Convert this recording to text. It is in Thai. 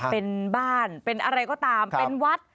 เป็นบ้านเป็นอะไรก็ตามเป็นวัด